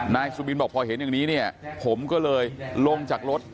นายสุบินบอกพอเห็นอย่างนี้เนี่ยผมก็เลยลงจากรถ